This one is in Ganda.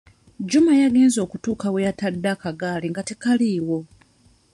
Juma agenze okutuuka we yatadde akagaali nga tekaliiwo.